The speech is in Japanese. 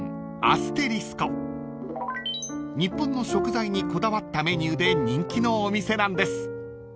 ［日本の食材にこだわったメニューで人気のお店なんです］